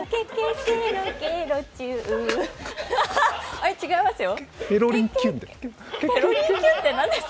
あ、違いますよ。